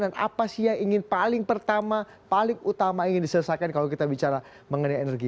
dan apa sih yang ingin paling pertama paling utama ingin diselesaikan kalau kita bicara mengenai energi